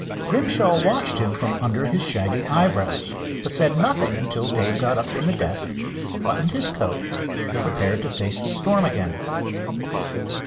Grimshaw watched him from under his shaggy eyebrows, but said nothing until Dave got up from the desk, buttoned his coat and prepared to face the storm again.